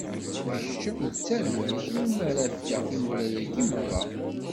D kečč akked tarwa-k iwumi ara fkeɣ timura-agi meṛṛa.